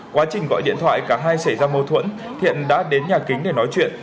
quá trình gọi điện thoại cả hai xảy ra mâu thuẫn thiện đã đến nhà kính để nói chuyện